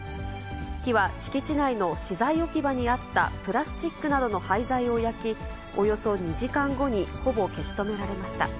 火は敷地内の資材置き場にあったプラスチックなどの廃材を焼き、およそ２時間後にほぼ消し止められました。